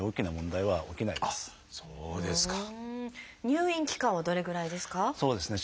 入院期間はどれぐらいですか？